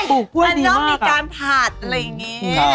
ปลูกก้วยดีมากมันก็มีการผัดอะไรอย่างนี้